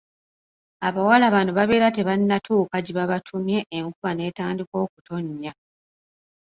Abawala bano babeera tebannatuuka gye babatumye enkuba netandika okutonnya.